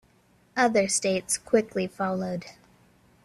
Other states quickly followed.